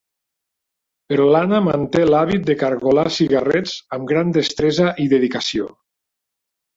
Però l'Anna manté l'hàbit de cargolar cigarrets amb gran destresa i dedicació.